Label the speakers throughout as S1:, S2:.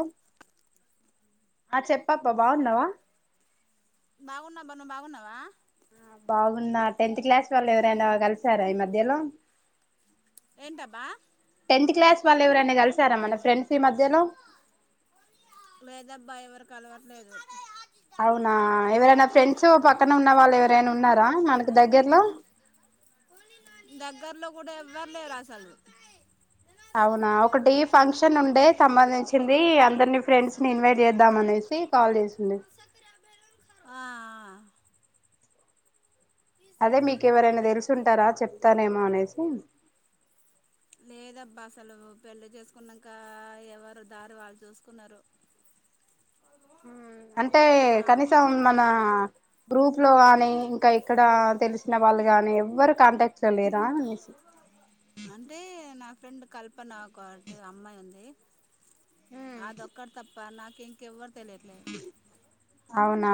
S1: ఒప్ ఆ చెప్పాప్ప బాగున్నావా?
S2: బాగున్నా బా నువ్వు బాగున్నావా?
S1: ఆ బాగున్న టెన్త్ క్లాస్ వాళ్ళు ఎవరైనా కలిసారా ఈ మధ్యలో
S2: ఏంటబ్బా
S1: టెన్త్ క్లాస్ వాళ్ళు ఎవరైనా కలిసార మన ఫ్రెండ్స్ ఈ మధ్యలో
S2: లేదబ్బా ఎవరు కలవట్లేదు.
S1: అవునా ఎవరైనా ఫ్రెండ్స్ పక్కన ఉన్న వాళ్ళు ఎవరైనా ఉన్నారా మనకు దగ్గర్లో
S2: దగ్గర్లో కూడా ఎవ్వర్లేరు అసలు
S1: అవునా ఒకటి ఫంక్షన్ ఉండే సంబంధించింది అందర్నీ ఫ్రెండ్స్ ని ఇన్వైట్ చేద్దాం అనేసి కాల్ చేసింది
S2: ఆ
S1: అదే మీకు ఎవరైనా తెలుసుంటారా చెప్తానేేమో అనేసి
S2: లేదబ్బా అసలు పెళ్లి చేసుకున్నాక ఎవరు దారి వాళ్ళు చూసుకున్నారు.
S1: అంటే
S2: నా
S1: కనీసం మన గ్రూప్లో కానీ ఇంకా ఇక్కడ తెలిసిన వాళ్ళు కానీ ఎవరు కాంటాక్ట్ క్ట్ల లేరా అని
S2: అంటే నా ఫ్రెండ్ కల్పన ఒక టి అమ్మాయి ఉంది. అదొ ఒక్కర్ తప్ప నాక ఇంకె ఎవ్వర్
S1: అవునా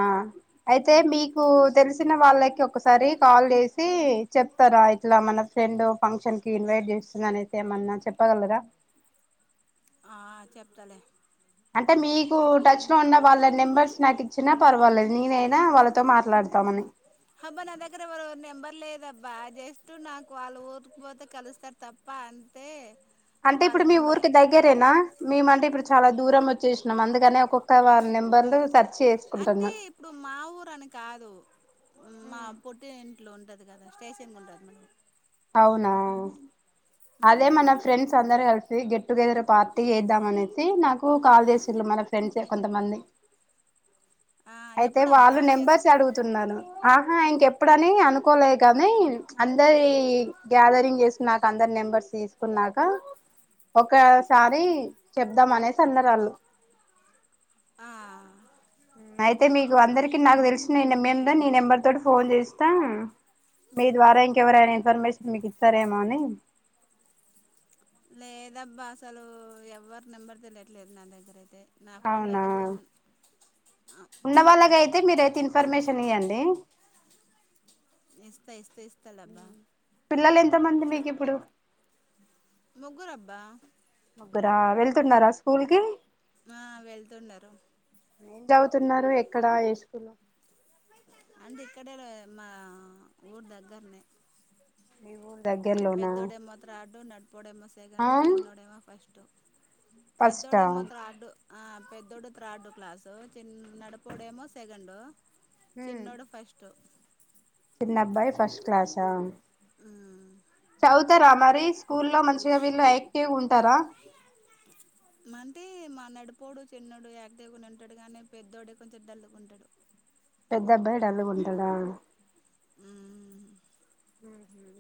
S1: అయితే మీకు తెలిసిన వాళ్ళకి ఒకసారి కాల్ చేసి చెప్తారా ఇట్లా మ మన ఫ్రెండ్ ఫంక్షన్ కి ఇన్వైట్ చేస్తుంది అనేసి ఏమన్నా చెప్పగలరా?
S2: ఆ చెప్తలే
S1: అంటే మీకు టచ్ లో ఉన్న వాళ్ళ నెంబర్స్ నాకిచ్చినా పర్వాలేదు నేనైనా వాళ్ళతో మాట్లాడతామని
S2: నా దగ్గర ఎవరు నెం బాగా జస్ట్ నాకు వాళ్ళు ఊర్క్పోతే కలుస్తారు తప్ప అంతే
S1: అంటే
S2: వాళ్ళ
S1: ఇప్పుడు మీ
S2: నెంబర్
S1: ఊరికి దగ్గరేనా మేము అంటే ఇప్పుడు చాలా దూరం వచ్చేసినాం అందుకని ఒక మిగతా వా నెంబర్లు సర్
S2: అంటే ఇప్పుడు మా ఊరు అని కాదు మా పొట్టి ఇంట్లో ఉండదు కదా స్టేషన్ ఉంటాది మన
S1: అవునా అదే
S2: మ్మ్.
S1: మన ఫ్రెండ్స్ అందరు కల గెట్ టుగెదర్ పార్టీ చేేద్దాం అనేసి నాకు కాల్ చేసిళ్ళు మన ఫ్రెండ్సే కొంతమంది
S2: అ
S1: అయితే వాళ్ళు నెంబర్స్ అడుగుతున్నారు ఆహా ఇంకెప్పుడని అనుకోలేదు కానీ అ అందరి గ్యాదరింగ్ చేసుకున్నాక అందరి నెంబర్స్ తీసుకున్నాక ఒకసారి చెప్దాం అనేసి అన్నరు వాళ్ళు
S2: ఆ,
S1: అయితే మీకు అందరికి నాకు తెలిసిన మంద నీ నెంబర్ తోటి ఫోన్ చేస్తా మీ ద్వారా ఇంకెవరైనా ఇన్ఫర్మేషన్ మీకు ఇస్తారేమో అని
S2: లేదబ్బా అసలు ఎవరు నెంబర్ తెలియట్లేదు నా దగ్గర అయితే నా ఫ్రెండ్
S1: అవునా
S2: ఒకటి ఉన్- ఆ,
S1: ఉన్న వాళ్ళగా అయితే మీరయితే ఇన్ఫర్మేషన్ ఇవ్వండి
S2: ఇస్తా ఇస్తా ఇస్త
S1: పిల్లలు ఎంతమంది మీకు ఇప్పుడు
S2: ముగ్గురబ్బా
S1: ముగ్గురా వెళ్తున్నారా స్కూల్ కి
S2: ఆ వెళ్తున్నారు
S1: ఏం చదువుతున్నారు ఎక్కడ హలో
S2: అంటే ఇక్కడే మా ఊరు దగ్గరనే
S1: మీ ఊరు దగ్గరలోనా
S2: పెద్దోడేమో తాడు నడిపాడేమో
S1: ఆ
S2: సెకండు చిన్నోడేమో ఫస్ట్
S1: ఫస్టా
S2: పెద్దోడేమో త్రాడ్ ఆ పెద్దడు థర్డ్ క్లాసు చిన్న నడపడేమో సెకండు చిన్నోడ ఫస్ట్
S1: చిన్నబ్బాయి ఫస్ట్ క్లాస్
S2: మ్మ్
S1: చదువుతారా మరి స్కూల్లో మంచిగా వీళ్ళు యాక్టివ్ ఉంటారా
S2: అంటే మా నడిపోడు చిన్నడు యాక్టివ్ గా ఉంటాడు గానీ పెద్దోడే కొంచెం డల్లుగా ఉంటాడు
S1: పెద్ద అబ్బాయి డల్లుగుంటాడా
S2: మ్మ్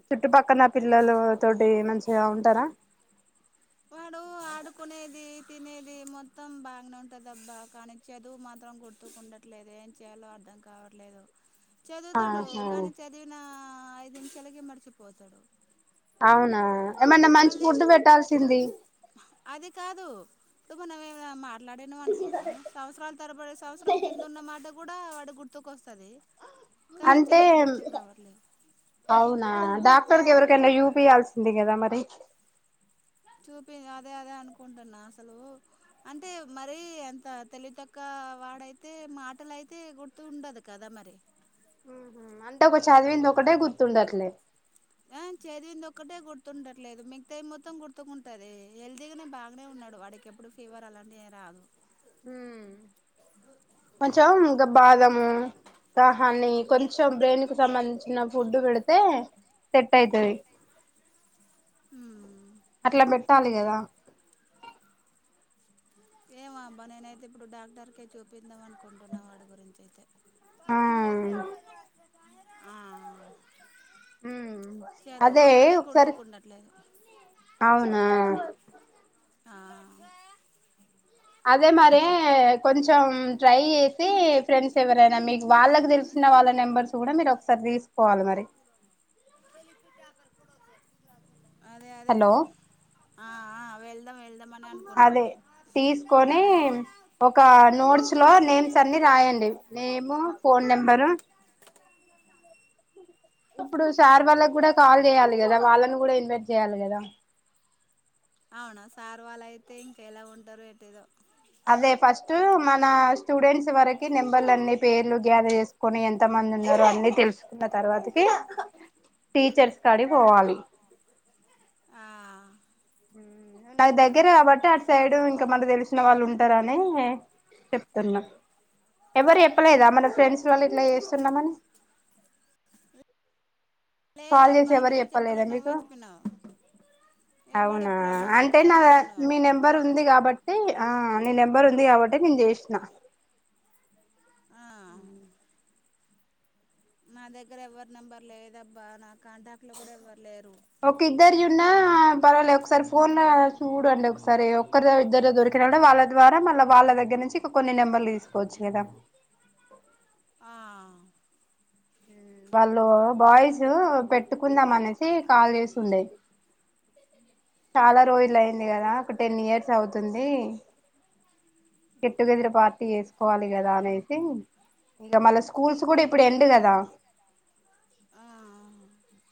S1: చుట్టుపక్కన పిల్లలు తోటి మంచిగా ఉంటారా
S2: వాడు ఆడుకునేది తినేది మొత్తం బాగానే ఉంటుందిబ్బా కానీ చదువు మాత్రం గుర్తుకుండట్లు లేదు ఏం చేయాలో అర్ధం కావట్లేదు చదువుతాడు
S1: ఆహా
S2: కానీ చదివిన ఐదు నిమిషాలకి మర్చిపోతాడు
S1: అవునా ఏమన్నా మంచి
S2: మళ్ళీ
S1: ఫుడ్ పెట్టాల్సింది
S2: అది కాదు మనం ఏమ మాట్లాడినాం అనుకో సంవత్సరాల తరబడి సంవత్సరం కింద ఉన్న మాట కూడా వాడికి గుర్తుకు వస్తది కానీ
S1: అంటే
S2: చదువు గుర్తుకు రావాలలే
S1: అవునా డాక్టర్ కి ఎవరికైనా యూపియాల్సింది కదా మరి
S2: చూపి అదే అదే అనుకుంటున్నా అసలు అంటే మరీ తెలివి తక్కువ ఉంటుంది అక్కడైతే మాటలయితే గుతు ఉండదు కదా మరి
S1: అంటే ఒక చదివింది ఒకటే గుర్తుండట్లే
S2: ఆ చదివింది ఒకక్కటే గుర్తుండట్లేదు మిగతాం మొత్తం గుర్తుకుంటది హెల్తీగానే బాగానే ఉన్నాడు వాడికి ఇప్పుడు ఫీవర్ అలాంటి రాదు
S1: ఉ
S2: అ
S1: కొంచెం గా బాదం మూ హాని కొంచెం బ్రెయిన్ కు సంబంధించిన ఫుడ్ పెడితే సెట్ అయితది
S2: ఉమ్
S1: అట్లా పెట్టాలి కదా
S2: ఏమో అబ్బా నేనైతే ఇప్పుడు డాక్టర్కు చూపిద్దాం అనుకుంటున్నా వాడి గురించి అయితే
S1: ఆ
S2: ఆ
S1: ఉ
S2: చదువు
S1: అదే
S2: ఒకటే
S1: ఒకసారి
S2: గుర్తుకుండట్లేదు
S1: అవునా
S2: ఆ
S1: అదే మరి కొంచెం ట్రై చేసి ఫ్రెండ్స్ ఎవరైనా మీకు వాళ్ళకి తెలుసు తెలిసిన వాళ్ళ నెంబర్స్ కూడా మీరు ఒకసారి తీసుకోవాలి మరి
S2: అదే అదే
S1: హలో
S2: ఆ వెళ్దాం వెళ్దామని
S1: అదే
S2: అనుకుంటున్నాం
S1: తీసుకొని ఒక నోట్స్ లో నేమ్స్ అన్ని రాయండి నేమ్ ఫోన్ నెంబరు ఇప్పుడు సార్ వాళ్ళకి కూడా కాల్ చేయాలి కదా వాళ్ళని కూడా ఇన్వైట్ చేయాలి కదా
S2: అవునా సార్ వాళ్ళు అయితే ఇంకెలా ఉంటారు ఏటేదో
S1: అదే ఫస్ట్ మన స్టూడెంట్స్ వరకి నెంబర్లు అన్ని పేర్లు గ్యాదర్ చేసుకొని ఎంత మంది ఉన్నారు అన్నీ తెలుసుకున్న తర్వాతకి టీచర్స్ కాడికి పోవాలి
S2: ఆ
S1: నాకు దగ్గర కాబట్టి అటు సైడు ఇంక మన తెలిసిన వాళ్ళు ఉంట ఉంటరనే అని చెప్తున్నా ఎవరు చెప్పలేదా మన ఫ్రెండ్స్ వాళ్ళు ఇట్లా చేస్తున్నమని చేసి
S2: లేదాబ్బా
S1: ఎవరు
S2: ఇంకెవరు
S1: చెప్పలేదా
S2: చెప్పలేరు నువ్వే
S1: మీకు
S2: చెప్పినావు ఎవరు
S1: అవునా
S2: చెప్పలే నువ్వు
S1: అంటే నా
S2: ఒక్కదానివే చెప్పినావు
S1: మీ
S2: అబ్బా
S1: నెంబర్ ఉంది కాబట్టి ఆ నీ నెంబర్ ఉంది కాబట్టే నేను చేసిన
S2: ఆ నా దగ్గర ఎవ్వరి నెంబర్ లేదబ్బా నా కాంటాక్ట్ లో కూడా ఎవ్వరు లేరు
S1: ఒక ఇద్దరి యున్నా పర్వాలే ఒకసారి ఫోన్ ల చూడండి ఒకసారి ఒక్కరి ఇద్దరు దొరిక వాళ్ళ ద్వారా మళ్ళీ వాళ్ళ దగ్గర నుంచి ఇక కొన్ని నెంబర్లు తీసుకోవచ్చు కదా
S2: ఆ
S1: వాళ్ళు బాయ్స్ పెట్టుకుందాం అనేసి కాల్ చేసి ఉండే చాలా రోజులు అయింది కదా ఒక టెన్ ఇయర్స్ అవుతుంది గెట్ టుగెదర్ పార్టీ చేసుకోవాలి కదా అనేసి ఇంక మళ్ళ స్కూల్స్ కూడా ఇప్పుడు ఎండ్ కదా
S2: ఆ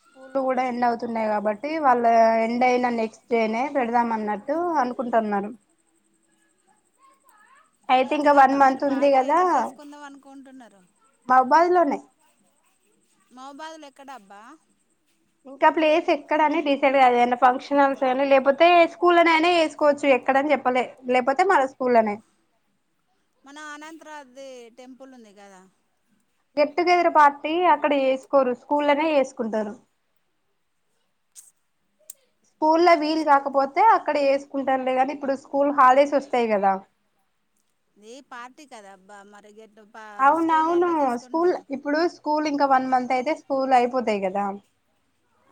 S1: స్కూల్ లు కూడా ఎండ్ అవుతున్నాయి కాబట్టి వాళ్ళ ఎండ్ అయిన నెక్స్ట్ డే నే పెడదాం అన్నట్టు అనుకు కుంటున్నారు అయితే ఇంక వన్
S2: ఎక్కడబ్బా మరి
S1: మంత్ ఉంది
S2: పార్టీ
S1: కదా
S2: ఎక్కడ చేసుకుందాం అనుకుంటున్నారు
S1: మహోబాద్ లోనే
S2: మహోబాద్ లో ఎక్కడ అబ్బా
S1: ఇంకా ప్లేస్ ఎక్కడని డిసైడ్ కాలే ఫంక్షనల్స్ ఫంక్షన్ హాల్స్ ఏమి లేకపోతే స్కూల్లోనైనా వేసుకోవచ్చు ఎక్కడ వస్తారని చెప్పలే లేపోతే మన స్కూల్లోనే
S2: మన అనంతర రాజ్ ది టెంపుల్ ఉంది కదా
S1: గెట్ టుగెదర్ పార్టీ అక్కడ చేసుకోరు స్కూల్ లోనే చేసుకుంటారు స్కూల్లో వీలు
S2: స్కూ
S1: కాకపోతే అక్కడ చేస్ కుంటారులే కానీ ఇప్పుడు స్కూల్ హాలిడేస్ వస్తాయి కదా
S2: ఏ ఈ పార్టీ కద అబ్బా మరిగ
S1: అవునవును స్కూల్ ఇప్పుడు స్కూల్ ఇంకా వన్ మంత్ అయితే స్కూల్ అయి పోతయ్ కదా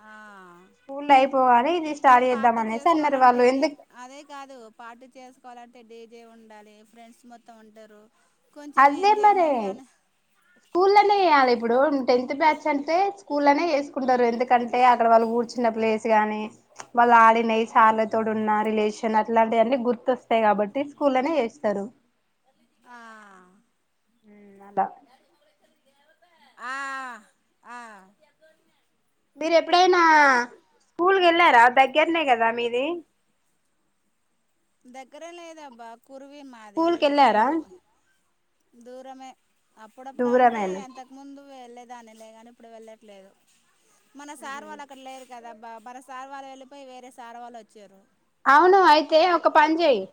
S2: ఆ
S1: స్కూల్ అయిపోగానే ఇది
S2: నువ్వు
S1: స్టార్ట్ చేద్దాం
S2: పార్టీ
S1: అనేసి అన్నారు
S2: చేసుకోవాలంటే
S1: వాళ్ళు
S2: డి
S1: ఎందుకు
S2: అదే కాదు పార్టీ చేసుకోవాలంటే డీజే ఉండాలి ఫ్రెండ్స్ మొత్తం ఉంటారు కొంచెం ఎంజాయ్మెంట్ అని
S1: స్కూల్ లోనే చేయాలి ఇప్పుడు టెన్త్ బ్యాచ్ అంటే స్కూల్ లోనే చేసుకుంటారు ఎందుకంటే అక్కడ వాళ్ళు కూర్చన్న ప్లేస్ గాని వాళ్ళ ఆడిన ఈ సార్ లతోటున్న రిలేషన్ అట్లాంటివన్నీ గుర్తొస్త వస్తాయి కాబట్టి స్కూల్లోనే చేస్తారు
S2: ఆ
S1: ఉమ్ అదా
S2: ఆ ఆ
S1: మీరు ఎప్పుడైనా స్కూల్ కి ఎళ్ళారా దగ్గరనే కదా మీది
S2: దగ్గరే లేదబ్బా కురివి మాది
S1: స్కూల్ కి
S2: ఇది కొంచెం
S1: వెళ్ళారా
S2: దూ దూరమే అప్పుడప్పుడు అంటే
S1: దూరమేనా
S2: అంతకు ముందు వెళ్లేదానిలే కాని ఇప్పుడు వెళ్ళట్లేదు. మన సార్ వాళ్ళు అక్కడ లేరు కదాబ్బా మన సార్ వాళ్ళు వెళ్ళిపోయి వేరే సార్ వాళ్ళు వచ్చారు
S1: అవును అయితే ఒక పని చేయి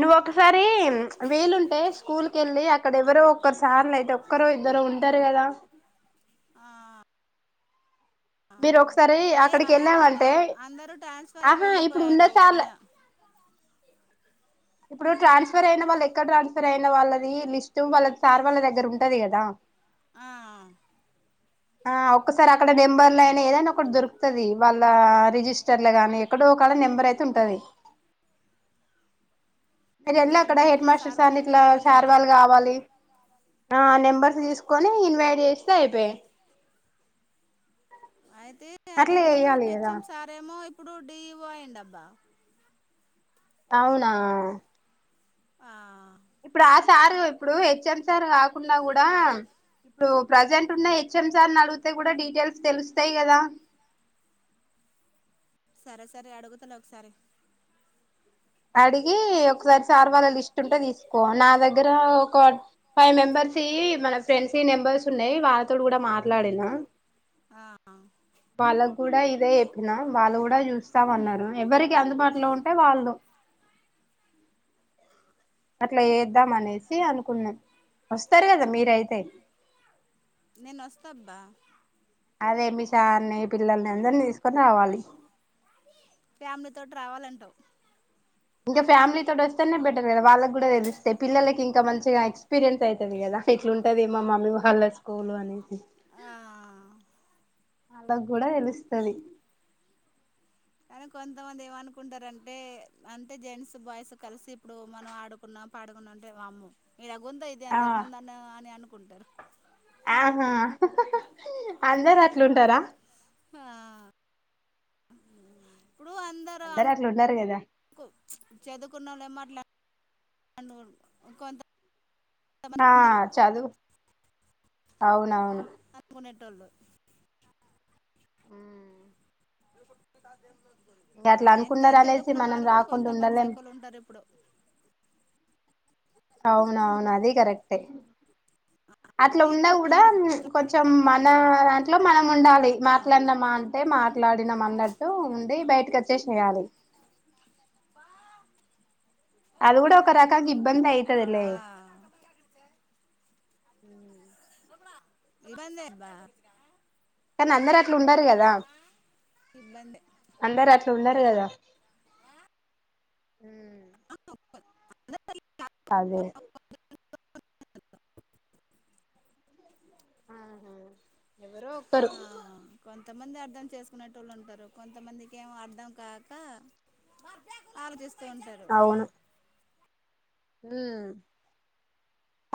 S1: నువ్వు ఒకసారి వీలుంటే స్కూల్ కి ఎళ్ళి అక్కడ ఎవరో ఒక్కరు సార్ లయితే ఒక్కరు ఇద్దరు ఉంటారు కదా
S2: ఆ
S1: మీరు ఒకసారి
S2: లే
S1: అక్కడికి
S2: లేరు అందరుూ
S1: వెళ్ళామంటే
S2: అందరూ ట్రాన్స్ఫర్ అయి
S1: ఆహా ఇప్పుడు ఉన్న
S2: వెళ్ళిపోయారు
S1: సార్ల ఇప్పుడు ట్రాన్స్ఫర్ అయిన వాళ్ళు ఎక్కడ ట్రాన్స్ఫర్ అయిన వాళ్ళది లిస్ట్ వాళ్ళకి సార్ వాళ్ళ దగ్గర ఉంటది కదా
S2: ఆ
S1: ఆ ఒక్కసారి అక్కడ నెంబర్లు అయినా ఏదనా ఒకటీ దొరుకుతుది వాళ్ళ రిజిస్టర్ గాని ఎక్కడో ఒక నెంబర్ అయితే ఉంటది మీరు వెళ్ళి
S2: దాన్ని
S1: అక్కడ
S2: బట్టి
S1: హెడ్
S2: మన
S1: మాస్టర్స్ అని
S2: సార్వానే
S1: ఇట్లా
S2: పిలవచ్చు
S1: సార్
S2: అంటావు
S1: వాళ్ళు కావాలి ఆ నెంబర్స్ తీసుకొని ఇన్వైట్ చేస్తే అయిపయి
S2: అయితే
S1: అట్లా
S2: ఇంతకు ముందు
S1: చెయ్యాలి కదా
S2: హెచ్ఎం సారేమో ఇప్పుడు డీఈవో అయిండు అబ్బా
S1: అవునా
S2: ఆ
S1: ఇప్పుడు ఆ సారు ఇప్పుడు హెచ్ఎం సార్ కాకుండా కూడా ఇప్పుడు ప్రజెంట్ ఉన్న హెచ్ఎంసార్ అడిగితే కూడా డీటెయిల్స్ తెలుస్తాయి కదా
S2: సరే సరే అడుగుతలే ఒకసారి
S1: అడిగి ఒకసారి సార్ వాళ్ళ లిస్ట్ ఉంటే తీసుకో నా దగ్గర ఒక ఫైవ్ మెంబర్ సి మన ఫ్రెండ్స్ నెంబర్స్ ఉన్నాయి వాళ్తోడు కూడా మాట్లాడినా
S2: ఆ
S1: వాళ్ళక్ కూడా ఇదే చెప్పినా వాళ్ళు కూడా చూస్తాంన్నారు ఎవరికి అందుబాటులో ఉంటే వాళ్ళు అట్లా చేద్దాం అనేసి అనుకున్నాం వస్తారు కదా మీరయితే
S2: నేను అస్తాబ్బా
S1: అదే మీ సార్న్ని పిల్లల్ని అందరిని తీసుకొని రావాలి
S2: ఫ్యామిలీ తోటి రావాలంటావు
S1: ఇంకా ఫ్యామిలీ తోటి వస్తేనే బెట్టర్ కదా వాళ్ళకి కూడా తెస్తేయి పిల్లకి ఇంకా మంచిగా ఎక్స్పీరియన్స్ అవుతుది కదా ఇట్లుంటది మా మమ్మీ వాళ్ళ స్కూల్ అనేసి
S2: ఆ
S1: వాళ్ళక్ కూడా తెలుస్తాది
S2: కానీ కొంతమంది ఏమనుకుంటారంటే అంటే జెంట్స్ బాయ్స్ కలిసి ఇప్పుడు మనం ఆడుకున్నా పాడుకున్న డా ఉంటే వామ్మో ఇలాగుందో ఇది
S1: ఆ
S2: ఎంతకు ముందు అన్న అని అనుకుంటారు
S1: ఆహా అందరు అట్లుంటారా
S2: ఆ ఇప్పుడు అందరుూ
S1: అందరు అట్లుండరు కదా
S2: అనుకు చదువుకున్నళ్ళ మాట్లా [unintelligible] కొంత
S1: ఆ చదువు అవునవును
S2: ఉండేటోళ్ళు
S1: హ్మ్
S2: ఆ ఎంత
S1: అనుకున్నారు అనేసి
S2: చదువుకున్న
S1: మనం
S2: వాళ్ళు కూడా
S1: రాకుండా
S2: కొంతమంది
S1: ఉండలేం
S2: సైకులు ఉంటారు ఇప్పుడు
S1: అవునా అవునా అది కరెక్ట్ ఎ
S2: ఆ
S1: అట్లా
S2: అంటే
S1: ఉన్నా
S2: మా
S1: కూడా
S2: తోటి
S1: కొంచం మన
S2: కాకుండా
S1: దాంట్లో మనం
S2: ఆ,
S1: ఉండాలి మాట్లాడినామా అంటే మాట్ మాట్లాడినాం అన్నట్టు ఉండి బయటకి వచ్చేసియాలి
S2: ప్ప
S1: అది కూడా ఒక రకంగా ఇబ్బంది అయితది
S2: ఆ,
S1: అయితదిలే
S2: ఇబ్బందేబ్బా
S1: కానీ అందరు అట్లుండరు కదా
S2: ఇబ్బంది
S1: అందరు అట్ అట్ ఉండరు కాద అదే అహ
S2: ఆహా కొంత్ కొంతమంది అర్థం చేసుకునేటోళ్ళు ఉంటారు కొంతమందికి ఏమో అర్థం కాక ఆలోచిస్తూ ఉంటారు
S1: హ్మ్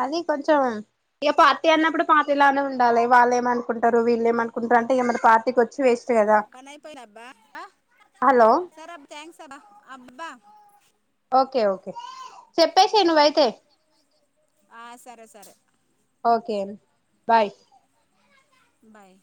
S1: అది కొంచెం ఇక పార్టీ అన్నప్పుడు పార్టీ లానే ఉండాలి వాళ్ళు ఏమనుకుంటారు వీళ్ళు ఏమనుకుంటారు అంటే ఇంగా మనం పార్టీకి వచ్చి వెస్ట్
S2: కనయిపోయి రాబ్బా
S1: హలో
S2: సరే అబ్బ థ్యాంక్స్ అబ్బ అబ్బా
S1: ఓకే ఓకే చెప్పేసే నువ్వైతే
S2: ఆ సరే సరే
S1: ఓకే బాయ్
S2: బాయ్